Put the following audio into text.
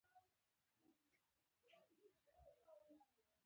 پيسې به يې اخيستې.